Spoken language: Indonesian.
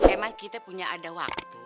emang kita punya ada waktu